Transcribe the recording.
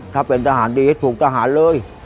ถ้าเป็นทหารดีให้ถูกทหารเลย